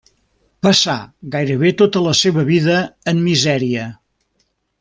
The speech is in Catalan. Passà gairebé tota la seva vida en misèria.